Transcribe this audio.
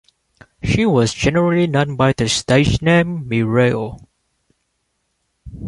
She was generally known by the stage name "Mireille".